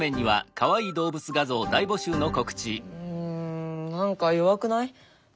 うん何か弱くない？